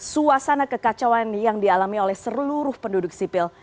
suasana kekacauan yang dialami oleh seluruh penduduk sipil